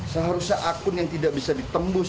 seharusnya akun yang tidak bisa ditembus